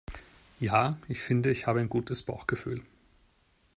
Ja, ich finde, ich habe ein gutes Bauchgefühl.